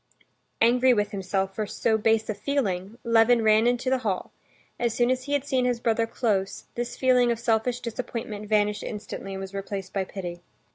Angry with himself for so base a feeling, Levin ran into the hall; as soon as he had seen his brother close, this feeling of selfish disappointment vanished instantly and was replaced by pity.